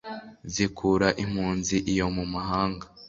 zikura impunzi iyo mumahanga